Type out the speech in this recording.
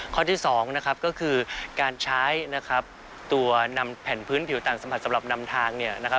ข้อที่๒ก็คือการใช้ตัวนำแผ่นพื้นผิวต่างสัมผัสสำหรับนำทาง